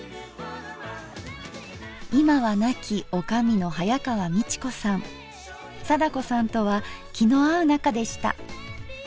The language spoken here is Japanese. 今は亡き女将の貞子さんとは気の合う仲でした。